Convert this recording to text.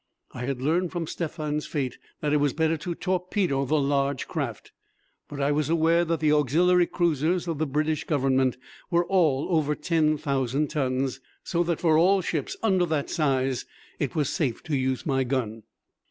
I had learned from Stephan's fate that it was better to torpedo the large craft, but I was aware that the auxiliary cruisers of the British Government were all over ten thousand tons, so that for all ships under that size it was safe to use my gun.